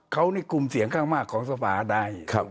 เขานี่กลุ่มเสียงข้างมากของสภาได้